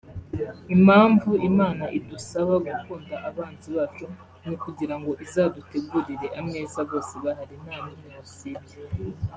Impamvu Imana idusaba gukunda abanzi bacu ni ukugirango izadutegurire ameza bose bahari nta n'umwe wasibye